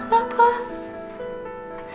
tolong banget kamu kamu harus mau ya